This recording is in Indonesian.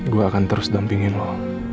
gue akan terus dampingin lo